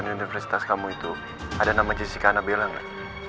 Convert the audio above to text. lulusan universitas kamu itu ada nama jessica annabella gak